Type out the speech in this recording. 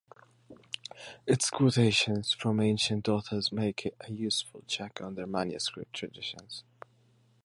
Its quotations from ancient authors make it a useful check on their manuscript traditions.